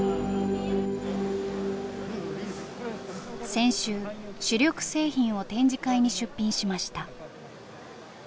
先週主力製品を展示会に出品しました。